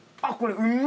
あっこれ。